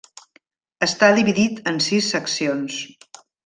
Està dividit en sis seccions.